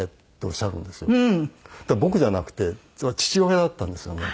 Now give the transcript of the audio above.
僕じゃなくて父親だったんですよね。